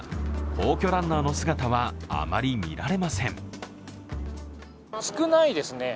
皇居ランナーの姿はあまり見られません。